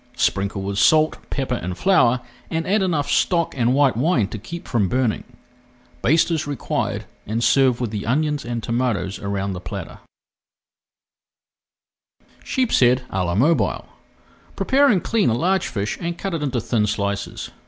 Sprinkle with salt, pepper, and flour, and add enough stock and white wine to keep from burning. Baste as required and serve with the onions and tomatoes around the platter. SHEEPSHEAD À LA MOBILE Prepare and clean a large fish and cut it into thin slices.